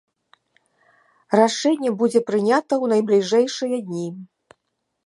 Рашэнне будзе прынята ў найбліжэйшыя дні!